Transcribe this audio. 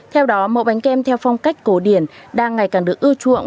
theo đó mẫu bánh kem theo phong cách cổ điển đang ngày càng được ưa chuộng